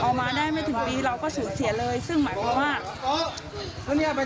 ซึ่งหมายความว่าเขาก็ยังไม่ได้ทำอะไร